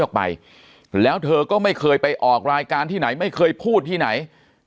ออกไปแล้วเธอก็ไม่เคยไปออกรายการที่ไหนไม่เคยพูดที่ไหน